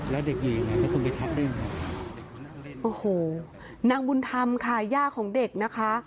แล้วเด็กนี่ไงจะพี่เอาไปทับแล้วโอ้โหนางบุญธรรมชายย่าของเด็กนะคะ